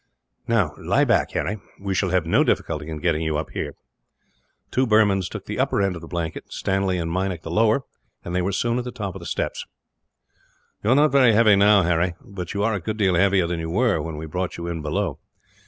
"Now lie back, Harry. We shall have no difficulty in getting you up here." Two Burmans took the upper end of the blanket, Stanley and Meinik the lower, and they were soon at the top of the steps. "You are not very heavy now, Harry; but you are a good deal heavier than you were, when we brought you in below.